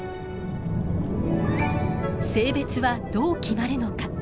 性別はどう決まるのか？